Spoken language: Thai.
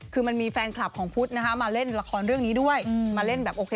เขาก็พูดประมาณว่า